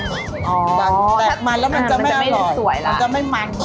อ๋อแตกมันแล้วมันจะไม่อร่อยมันจะไม่มัน